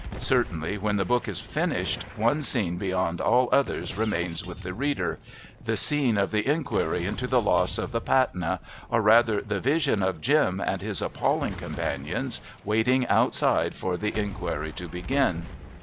Certainly, when the book is finished, one scene beyond all others remains with the reader; the scene of the inquiry into the loss of the Patna, or rather the vision of Jim and his appalling companions waiting outside for the inquiry to begin.